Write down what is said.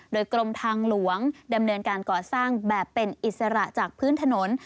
โดยกรมทางหลวงดำเนินการก่อสร้างแบบเป็นอิสระจากพื้นถนน